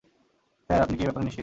Sir, আপনি কি এ ব্যাপারে নিশ্চিত?